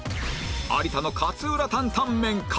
有田の勝浦タンタンメンか？